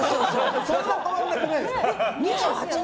そんな変わらなくないですか。